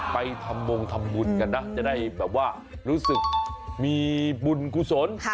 ไปทำมงทำบุญกันนะจะได้แบบว่ารู้สึกมีบุญกุศล